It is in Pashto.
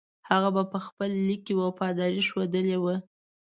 هغه په خپل لیک کې وفاداري ښودلې وه.